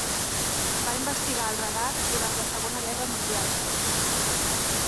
Va investigar el radar durant la Segona Guerra Mundial.